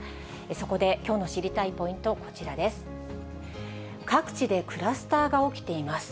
そこできょうの知りたいポイント、こちらです。